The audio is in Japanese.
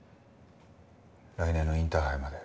来年のインターハイまで。